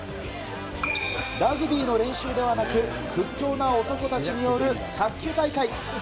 ラグビーの練習ではなく、屈強な男たちによる卓球大会。